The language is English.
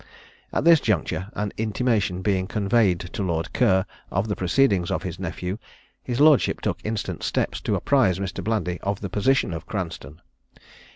At this juncture, an intimation being conveyed to Lord Ker of the proceedings of his nephew, his lordship took instant steps to apprise Mr. Blandy of the position of Cranstoun.